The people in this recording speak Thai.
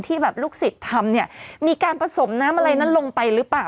แบบลูกศิษย์ทำเนี่ยมีการผสมน้ำอะไรนั้นลงไปหรือเปล่า